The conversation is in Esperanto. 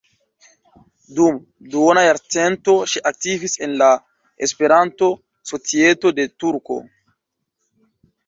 Dum duona jarcento ŝi aktivis en la E-Societo de Turku.